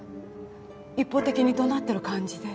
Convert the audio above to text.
一方的に怒鳴ってる感じで。